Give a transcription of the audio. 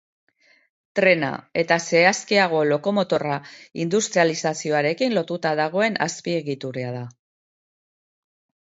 Trena, eta zehazkiago, lokomotorra industrializazioarekin lotuta dagoen azpiegitura da.